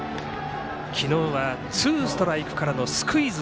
昨日は、ツーストライクからのスクイズ。